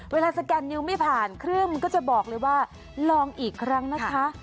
สแกนนิวไม่ผ่านเครื่องมันก็จะบอกเลยว่าลองอีกครั้งนะคะ